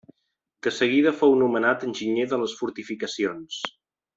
De seguida fou nomenat enginyer de les fortificacions.